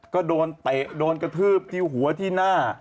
ก็โดนเตะโดนกระทืบที่หัวที่หน้า